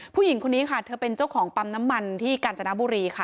ผู้หญิงคนนี้ค่ะเธอเป็นเจ้าของปั๊มน้ำมันที่กาญจนบุรีค่ะ